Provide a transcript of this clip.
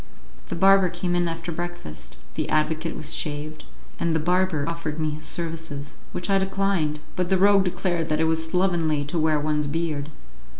The barber came in after breakfast; the advocate was shaved, and the barber offered me his services, which I declined, but the rogue declared that it was slovenly to wear one's beard.